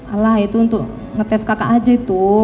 alah itu untuk ngetes kakak aja itu